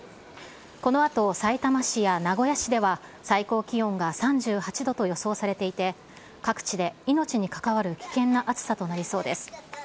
このあと、さいたま市や名古屋市では最高気温が３８度と予想されていて、各地で命にかかわる危険な暑さとなりそうです。